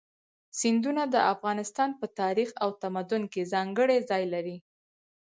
سیندونه د افغانستان په تاریخ او تمدن کې ځانګړی ځای لري.